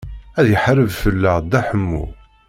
Ad iḥareb fell-aɣ Dda Ḥemmu.